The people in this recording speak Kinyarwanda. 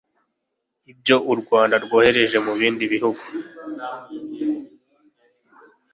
Ibyo u Rwanda rwohereje mu bindi bihugu